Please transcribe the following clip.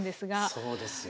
そうですよ。